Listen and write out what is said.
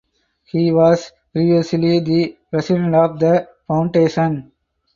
He was previously the president of the foundation.